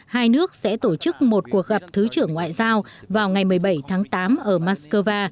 hai nước sẽ tổ chức một cuộc gặp thứ trưởng ngoại giao vào ngày một mươi bảy tháng tám ở moscow